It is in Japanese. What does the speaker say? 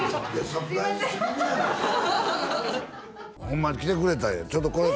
ホンマに来てくれたんやちょっとこれ